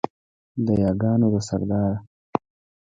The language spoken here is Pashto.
د یاګانو ده سرداره